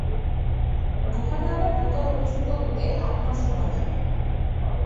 গুহাটা আবার ঢোকার উপযুক্ত হতে আট মাস সময় লাগে।